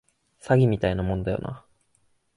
詐欺みたいなもんだよな